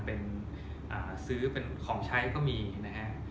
เป็นของใช้ก็มีนะฮะ